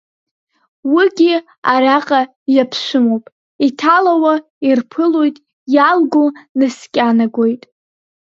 Уигьы араҟа иаԥшәымоуп иҭалауа ирԥылоит, иалго наскьанагоит…